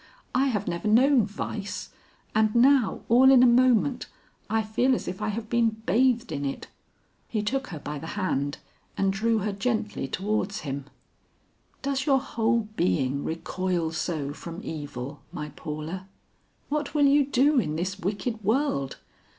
I have never known vice, and now all in a moment I feel as if I have been bathed in it." He took her by the hand and drew her gently towards him. "Does your whole being recoil so from evil, my Paula? What will you do in this wicked world?